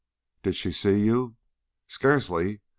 "Did she see you?" "Scarcely.